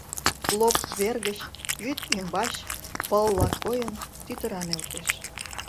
Лоп вер гыч, вӱд ӱмбач, пылла койын, тӱтыра нӧлтеш.